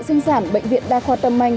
sinh sản bệnh viện đa khoa tâm anh